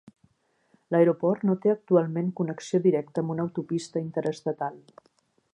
L'aeroport no té actualment connexió directa amb una autopista interestatal.